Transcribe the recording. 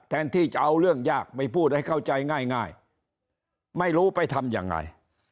ที่จะเอาเรื่องยากไม่พูดให้เข้าใจง่ายไม่รู้ไปทำยังไง